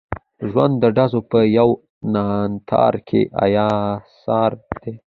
ژوند د ډزو په یو ناتار کې ایسار دی.